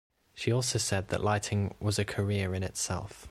She also said that lighting "was a career in itself".